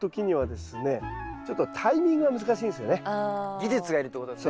技術がいるってことですね。